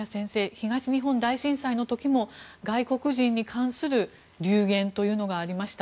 東日本大震災の時も外国人に関する流言というのがありました。